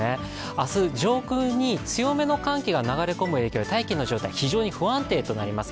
明日上空に強めの寒気が流れ込む影響で大気の状態、非常に不安定になります。